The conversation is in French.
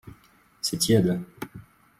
C’est tiède.